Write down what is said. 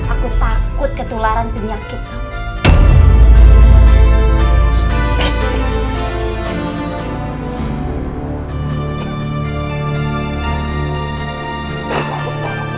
aku takut ketularan penyakit kamu